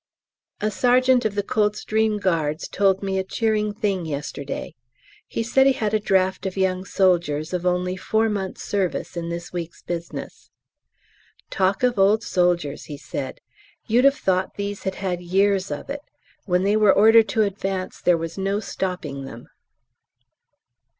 A Sergt. of the C.G. told me a cheering thing yesterday. He said he had a draft of young soldiers of only four months' service in this week's business. "Talk of old soldiers," he said, "you'd have thought these had had years of it. When they were ordered to advance there was no stopping them."